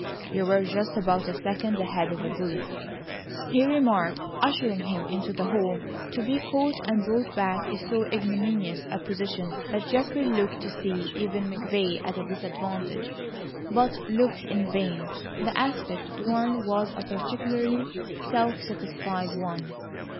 "You were just about half a second ahead of a bullet," he remarked, ushering him into the hall. To be caught and brought back is so ignominious a position that Geoffrey looked to see even McVay at a disadvantage, but looked in vain. The aspect worn was a particularly self satisfied one.